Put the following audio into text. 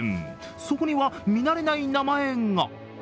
そこには見慣れない名前が。